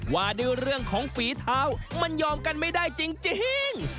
ว่าด้วยเรื่องของฝีเท้ามันยอมกันไม่ได้จริง